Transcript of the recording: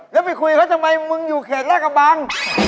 แล้วไปคุยเขาทำไมมึงอยู่เขตราชกระบัง